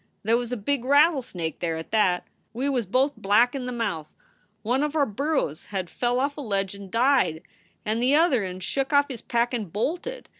There was a big rattlesnake there at that. We was both black in the mouth. One of our burros had fell off a ledge and died, and the other n shook off his pack and bolted.